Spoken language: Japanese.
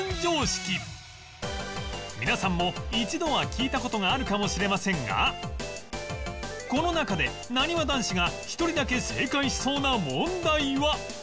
皆さんも一度は聞いた事があるかもしれませんがこの中でなにわ男子が１人だけ正解しそうな問題は？